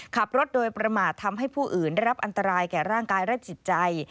ขับรถโดยประมาททำให้ผู้อื่นได้รับอันตรายแก่ร่างกายและจิตใจ